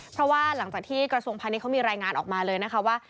เพราะว่าหลังจากที่กระทรวงพาณิชยเขามีรายงานออกมาเลยนะคะว่า